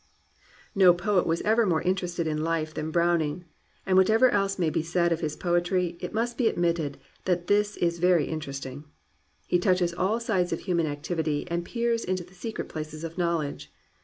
'* No poet was ever more interested in life than Browning, and whatever else may be said of his poetry it must be admitted that it is very interest ing. He touches all sides of human activity and peers into the secret places of knowledge.